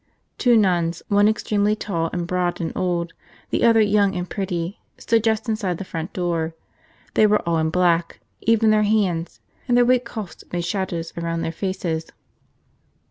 Two nuns, one extremely tall and broad and old, the other young and pretty, stood just inside the front door. They were all in black, even their hands, and their white coifs made shadows around their faces.